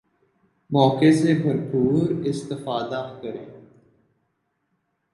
موقع سے بھرپور استفادہ کریں